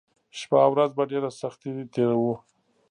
شپه او ورځ په ډېره سختۍ تېروو